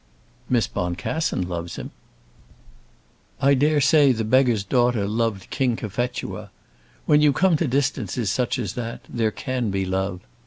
"Miss Boncassen loves him." "I dare say the beggar's daughter loved King Cophetua. When you come to distances such as that, there can be love.